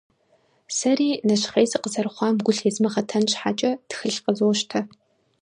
Сэри, нэщхъей сыкъызэрыхъуам гу лъезмыгъэтэн щхьэкӀэ, тхылъ къызощтэ.